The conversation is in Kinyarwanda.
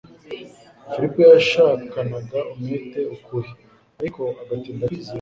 Filipo yashakanaga umwete ukuri, ariko agatinda kwizera.